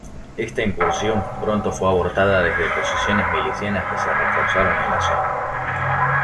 Esta incursión pronto fue abortada desde posiciones milicianas que se reforzaron en la zona.